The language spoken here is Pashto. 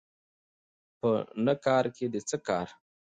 په نه کارکې دې څه کار